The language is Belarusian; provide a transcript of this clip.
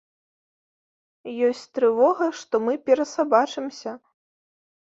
Ёсць трывога, што мы перасабачымся.